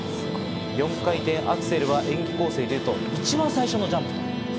４回転アクセルは演技構成でいうと一番最初のジャンプ。